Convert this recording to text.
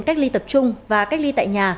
cách ly tập trung và cách ly tại nhà